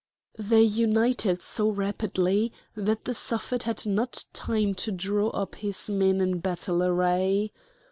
They united so rapidly that the Suffet had not time to draw up his men in battle array.